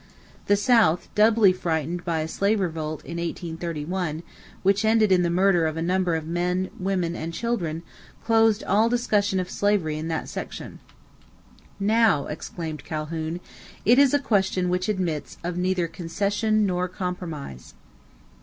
The South, doubly frightened by a slave revolt in 1831 which ended in the murder of a number of men, women, and children, closed all discussion of slavery in that section. "Now," exclaimed Calhoun, "it is a question which admits of neither concession nor compromise."